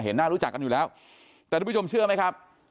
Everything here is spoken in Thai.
หน้ารู้จักกันอยู่แล้วแต่ทุกผู้ชมเชื่อไหมครับ